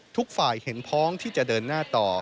ทุกฝ่ายเห็นพ้องที่จะเดินหน้าต่อ